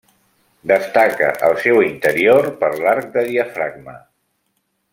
Destaca el seu interior per l'arc de diafragma.